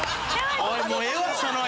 おいもうええわその絵！